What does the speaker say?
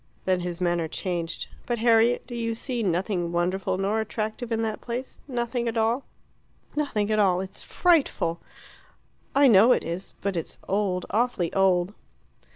Then his manner changed. "But, Harriet, do you see nothing wonderful or attractive in that place nothing at all?" "Nothing at all. It's frightful." "I know it is. But it's old awfully old."